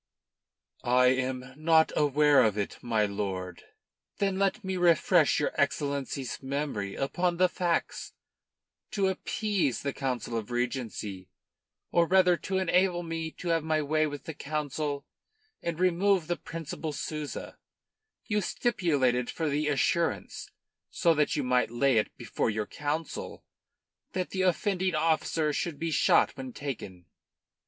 "I am not aware of it, my lord." "Then let me refresh your Excellency's memory upon the facts. To appease the Council of Regency, or rather to enable me to have my way with the Council and remove the Principal Souza, you stipulated for the assurance so that you might lay it before your Council that the offending officer should be shot when taken."